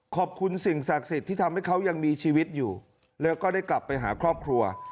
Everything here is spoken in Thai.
ขอบคุณสิ่งศักดิ์สิทธิ์ที่ทำให้เขายังมีชีวิตอยู่แล้วก็ได้กลับไปหาครอบครัว